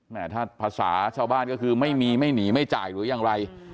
ถ้าภาษาชาวบ้านก็คือไม่มีไม่หนีไม่จ่ายหรือยังไร